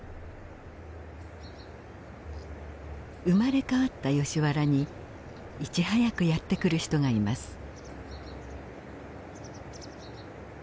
生まれ変わったヨシ原にいち早くやって来る人がいます。